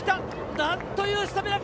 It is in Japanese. なんというスタミナか！